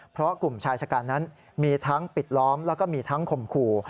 เพราะกลุ่มชายชะกันนั้นมีทั้งปิดล้อมแล้วก็มีทั้งข่มขู่